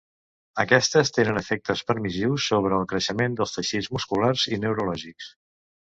Aquestes tenen efectes permissius sobre el creixement dels teixits musculars i neurològics.